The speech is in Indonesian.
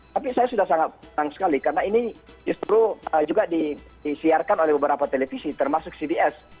tapi saya sudah sangat senang sekali karena ini justru juga disiarkan oleh beberapa televisi termasuk cds